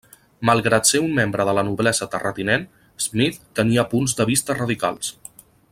Malgrat ser un membre de la noblesa terratinent, Smith tenia punts de vista radicals.